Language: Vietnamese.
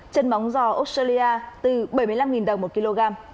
chân móng giò australia từ bảy mươi năm đồng một kg